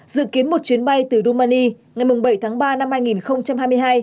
dự kiến một chuyến bay từ romani ngày bảy tháng ba năm hai nghìn hai mươi hai